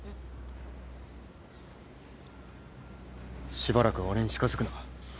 しばらく俺に近づくな。